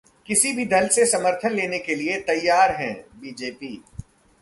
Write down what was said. किसी भी दल से समर्थन लेने के लिए तैयार हैं: बीजेपी